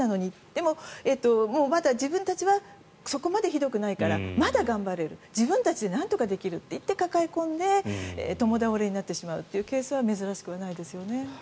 でも、まだ自分たちはそこまでひどくないからまだ頑張れる自分たちでなんとかできるって言って抱え込んで共倒れになってしまうというケースは珍しくないですね。